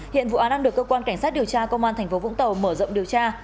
hiện vụ án đang được cơ quan cảnh sát điều tra công an tp vũng tàu mở rộng điều tra